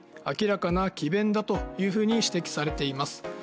明らかな詭弁だというふうに指摘されています